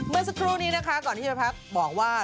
เมื่อสักครู่นี้นะคะก่อนที่จะพักบอกว่า